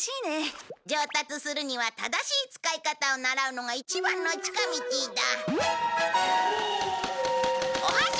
上達するには正しい使い方を習うのが一番の近道だ。